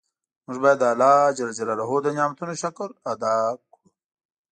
مونږ باید د الله ج د نعمتونو شکر ادا کړو.